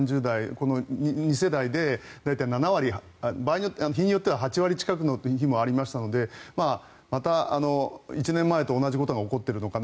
この２世代で大体７割、日によっては８割近い日もありましたのでまた１年前と同じことが起こっているのかな。